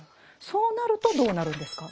そうなるとどうなるんですか？